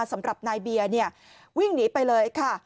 สำหรับนายเบียร์วิ่งหนีไปเลยค่ะ